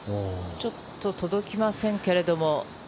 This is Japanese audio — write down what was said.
ちょっと届きませんけれども。